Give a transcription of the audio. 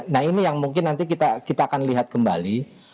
nah ini yang mungkin nanti kita akan lihat kembali